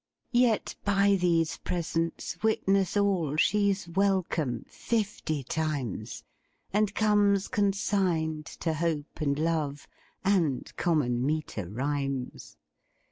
Yet by these presents witness all She's welcome fifty times, And comes consigned to Hope and Love And common meter rhymes.